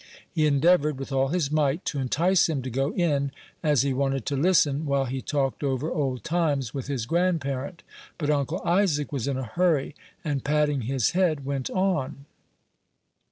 He endeavored, with all his might, to entice him to go in, as he wanted to listen, while he talked over old times with his grandparent; but Uncle Isaac was in a hurry, and, patting his head, went on.